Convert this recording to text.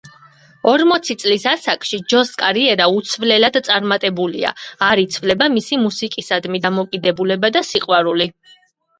ორმოცი წლის ასაკში ჯოს კარიერა უცვლელად წარმატებულია, არ იცვლება მისი მუსიკისადმი დამოკიდებულება და სიყვარული.